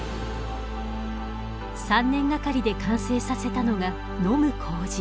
３年がかりで完成させたのが飲む糀。